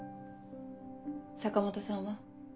坂本さんは？